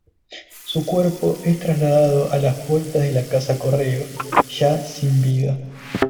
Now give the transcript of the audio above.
Su cuerpo es trasladado a las puertas de la Casa Correo, ya sin vida.